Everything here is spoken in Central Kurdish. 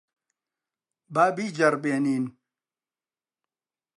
با بیجەڕبێنین.